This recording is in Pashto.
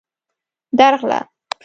_درغله.